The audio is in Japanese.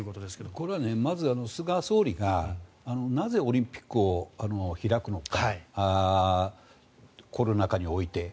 これはまず菅総理がなぜオリンピックを開くのかコロナ禍において。